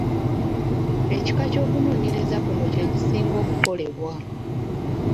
Ekika ky’okunoonyereza kuno kye kisinga okukolebwa.